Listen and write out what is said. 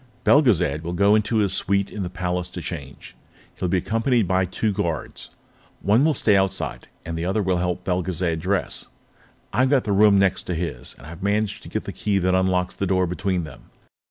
Belgezad will go into his suite in the Palace to change. He'll be accompanied by two guards. One will stay on the outside, the other will help Belgezad dress. I've got the room next to his, and I've managed to get the key that unlocks the door between them.